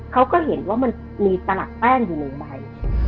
เขาก็เห็นว่ามันมีตลักแป้งอยู่หนึ่งใบ